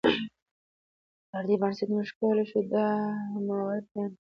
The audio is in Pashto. پر دې بنسټ موږ کولی شو دا موارد بیان کړو.